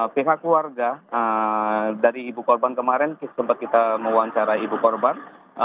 pihak keluarga dari ibu korban kemarin sempat kita mewawancarai ibu korban